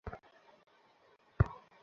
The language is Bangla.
বাম ইঞ্জিন বন্ধ হয়ে যাচ্ছে।